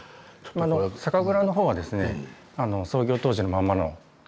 酒蔵の方はですね創業当時のまんまの建物なので。